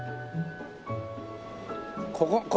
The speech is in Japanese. ここ。